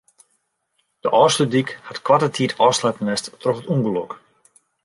De Ofslútdyk hat koarte tiid ôfsletten west troch it ûngelok.